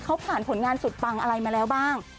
เขาผ่านผลงานสุดปังอะไรมาแล้วบ้าง